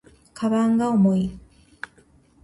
鞄が重い